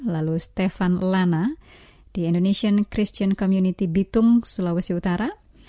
lalu stefan lana di indonesian christian community bitung sulawesi utara